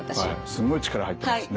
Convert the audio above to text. すごい力入ってますね。